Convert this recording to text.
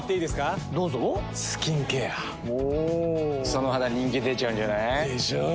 その肌人気出ちゃうんじゃない？でしょう。